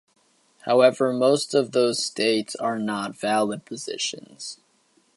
However, most of those states are not valid positions.